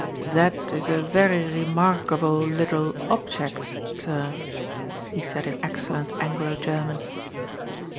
"Zat is a very remargable liddle opchect, sir," he said in excellent Anglo German.